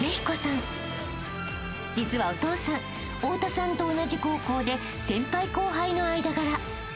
［実はお父さん太田さんと同じ高校で先輩後輩の間柄］